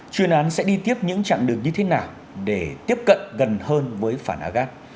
chuyên án sẽ đi tiếp những chặng đường như thế nào để tiếp cận gần hơn với phản á gat